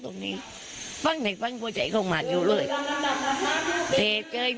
ดูดั้งดีไหนที่ลูกชายเป็นดูดที่ราบใหญ่